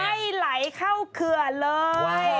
ให้ไหลเข้าเขื่อนเลย